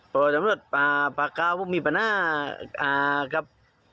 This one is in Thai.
เพราะสำรวจพระกาลผมมีประนาคับ